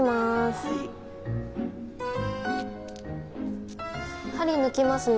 はい針抜きますね